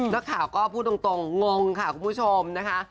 นักข่าวก็พูดตรงงงค่ะคุณผู้ชมนะคะ